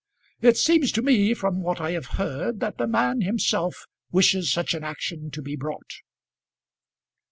It seems to me from what I have heard that the man himself wishes such an action to be brought."